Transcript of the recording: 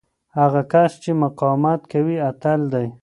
هغه کس چې مقاومت کوي، اتل دی.